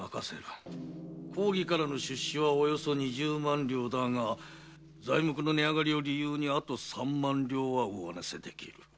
公儀からの出資は二十万両だが材木の値上がりを理由にあと三万両は上乗せできる。